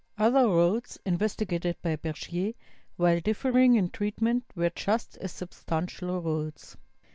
Other roads in vestigated by Bergier, while differing in treatment, were just as substantial roads.